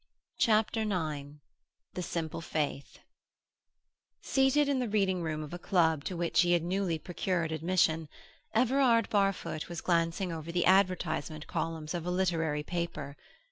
CHAPTER IX THE SIMPLE FAITH Seated in the reading room of a club to which he had newly procured admission, Everard Barfoot was glancing over the advertisement columns of a literary paper.